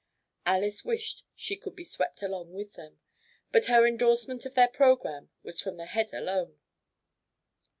Alys wished she could be swept along with them, but her indorsement of their programme was from the head alone.